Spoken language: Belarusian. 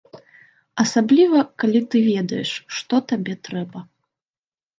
Асабліва, калі ты ведаеш, што табе трэба.